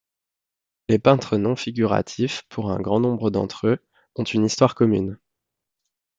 Les peintres non-figuratifs, pour un grand nombre d'entre eux, ont une histoire commune.